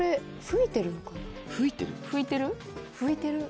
ふいてる？